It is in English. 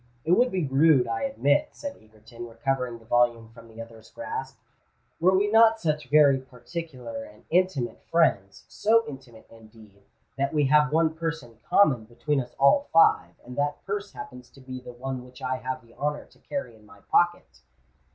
"It would be rude, I admit," said Egerton, recovering the volume from the other's grasp, "were we not such very particular and intimate friends—so intimate indeed, that we have one purse in common between us all five, and that purse happens to be the one which I have the honour to carry in my pocket."